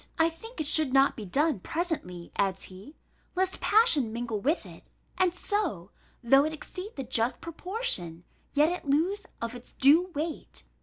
I think it should not be done presently," adds he, "lest passion mingle with it; and so, though it exceed the just proportion, yet it lose of its due weight.